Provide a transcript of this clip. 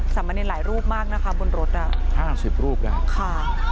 สามเณรหลายรูปมากนะคะบนรถอ่ะห้าสิบรูปได้ค่ะ